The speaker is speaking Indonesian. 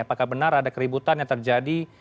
apakah benar ada keributan yang terjadi